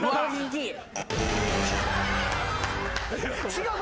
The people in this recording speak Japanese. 違う！